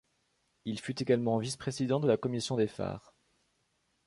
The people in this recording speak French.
Il fut également vice-président de la commission des phares.